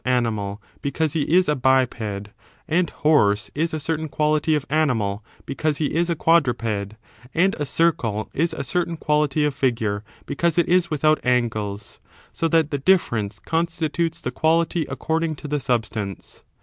"'"*" aninial because he is a biped, and horse is a certain quality of animal because he is a quadru ped, and a circle is a certain quality of figure because it is i without angles : so that the difference constitutes the quality according to the substance.